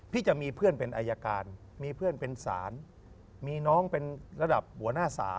พี่จะมีเพื่อนเป็นอายการมีเพื่อนเป็นศาลมีน้องเป็นระดับหัวหน้าศาล